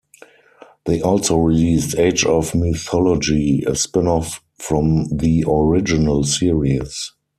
They also released "Age of Mythology", a spin-off from the original series.